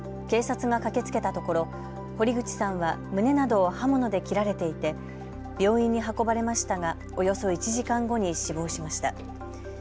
警察が駆けつけたところ堀口さんは胸などを刃物で切られていて病院に運ばれましたがおよそ１時間後に死亡しました。